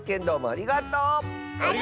ありがとう！